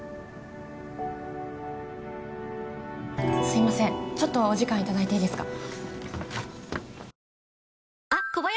すいませんちょっとお時間いただいていいですか？